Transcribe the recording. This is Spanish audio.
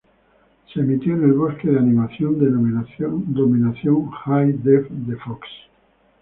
Se emitió en el bloque de "Animation Domination High Def" de Fox.